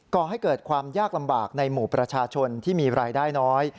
ก่อให้เกิดความยากลำบากในหมู่ประชาชนที่มีรายได้น้อย